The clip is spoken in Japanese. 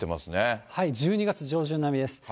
１２月上旬並みです。